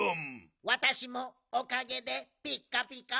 わたしもおかげでピッカピカ。